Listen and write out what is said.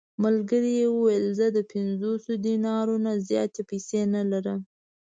ملګري یې وویل: زه د پنځوسو دینارو نه زیاتې پېسې نه لرم.